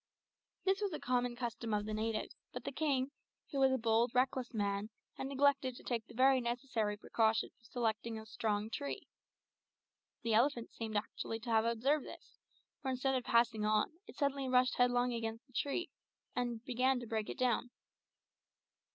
This was a common custom of the natives; but the king, who was a bold, reckless man, had neglected to take the very necessary precaution of selecting a strong tree. The elephant seemed actually to have observed this, for instead of passing on, it suddenly rushed headlong against the tree and began to break it down.